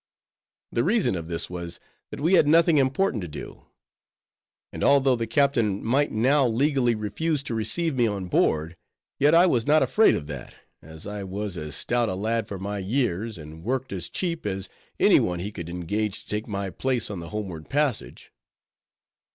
The reason of this was, that we had nothing important to do; and although the captain might now legally refuse to receive me on board, yet I was not afraid of that, as I was as stout a lad for my years, and worked as cheap, as any one he could engage to take my place on the homeward passage.